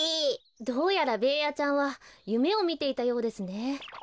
どうやらベーヤちゃんはゆめをみていたようですね。